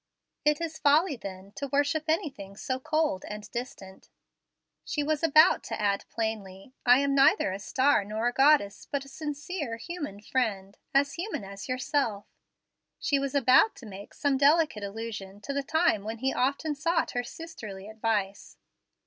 "It is folly, then, to worship anything so cold and distant." She was about to add plainly, "I am neither a star nor a goddess, but a sincere, human friend, human as yourself." She was about to make some delicate allusion to the time when he often sought her sisterly advice.